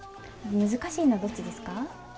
難しいのはどっちですか？